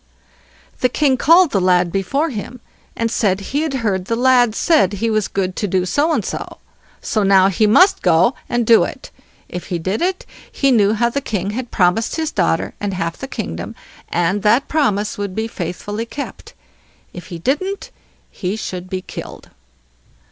The king called the lad before him, and said he had heard the lad said he was good to do so and so; so now he must go and do it. If he did it, he knew how the king had promised his daughter and half the kingdom, and that promise would be faithfully kept; if he didn't, he should be killed.